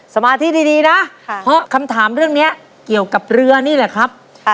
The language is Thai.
สมาธิดีนะเพราะคำถามเรื่องนี้เกี่ยวกับเรือนี่แหละครับ